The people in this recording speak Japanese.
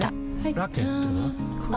ラケットは？